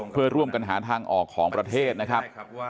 เพื่อร่วมกันหาทางออกของประเทศนะครับ